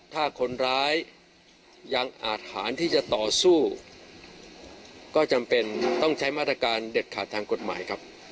ถ้าคนร้ายยังอาทหารที่จะต่อสู้ก็จำเป็นต้องใช้มาตรการเด็ดขาดทางกฎหมายครับ